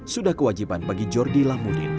sudah kewajiban bagi jordi lamudin